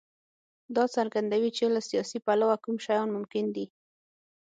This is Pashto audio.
دا څرګندوي چې له سیاسي پلوه کوم شیان ممکن دي.